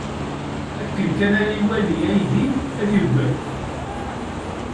Akken kan ara iwali aydi, ad yaggad.